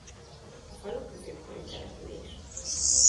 A falu középkori település.